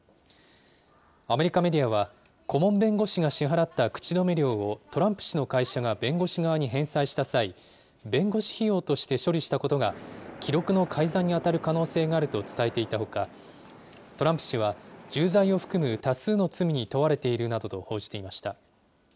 アメリカメディアは、顧問弁護士が支払った口止め料をトランプ氏の会社が弁護士側に返済した際、弁護士費用とした処理したことが記録の改ざんに当たる可能性があると伝えていたほか、トランプ氏は重罪を含む多数の罪に問われているなどと報じていました。